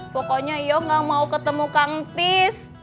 pokoknya yoga gak mau ketemu kang tis